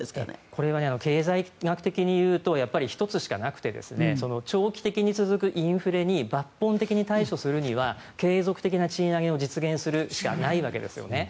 これは経済学的に言うと１つしかなくて長期的に続くインフレに抜本的に対処するには継続的な賃上げを実現するしかないわけですね。